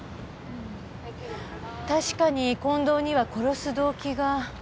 確かに近藤には殺す動機が。